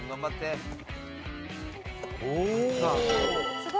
すごい。